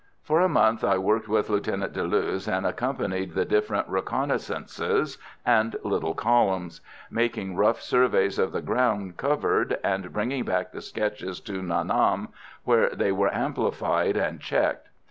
For a month I worked with Lieutenant Deleuze, and accompanied the different reconnaissances and little columns; making rough surveys of the ground covered, and bringing back the sketches to Nha Nam, where they were amplified and checked.